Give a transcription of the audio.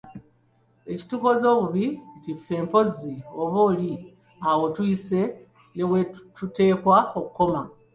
Ekitukoze obubi nti ffe mpozzi oba oli awo tuyise newetuteekwa okukoma.